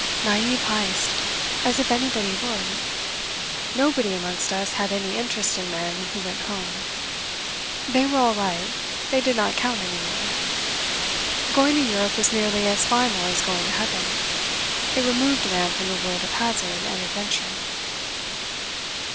Naive Heyst! As if anybody would ... Nobody amongst us had any interest in men who went home. They were all right; they did not count any more. Going to Europe was nearly as final as going to Heaven. It removed a man from the world of hazard and adventure.